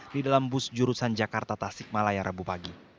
di dalam bus jurusan jakarta tasik malaya rabu pagi